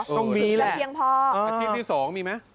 ตรงวีล่ะอาชีพที่๒มีไหม